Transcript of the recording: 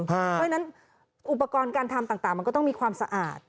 เพราะฉะนั้นอุปกรณ์การทำต่างมันก็ต้องมีความสะอาด